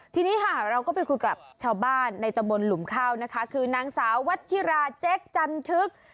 ทีนี้ค่ะเราก็ไปคุยกับชาวบ้านในตะบนหลุมข้าวนะคะคือนางสาววัชิราแจ็คจันทึก